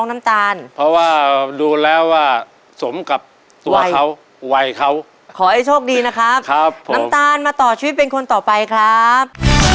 น้ำตาลมาต่อชีวิตเป็นคนต่อไปครับ